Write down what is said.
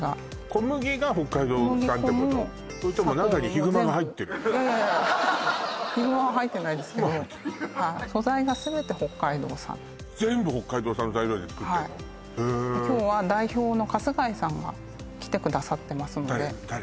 小麦粉も砂糖も全部それともいやいやいやヒグマは入ってないですけど素材が全て北海道産全部北海道産の材料で作ってんの？へ今日は代表の春日井さんが来てくださってますので誰？